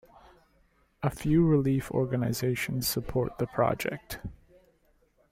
A few relief organizations support the project.